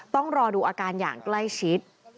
ต้องรอดูอาการอย่างใกล้ชิด